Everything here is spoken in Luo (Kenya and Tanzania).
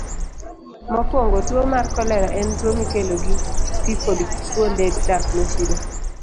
Mokwongo, tuwo mar kolera en tuwo mikelo gi pi kod kuonde dak mochido.